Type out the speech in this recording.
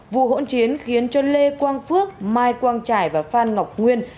vụ hỗn chiến khiến cho lê quang phước mai quang trải và phan ngọc nguyên